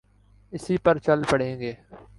اسی پر چل پڑیں گے۔